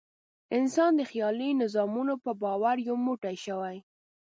انسان د خیالي نظامونو په باور یو موټی شوی.